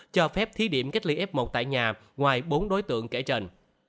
cho phép thi điểm cách ly f một tại nhà ngoài bốn đối tượng kể trần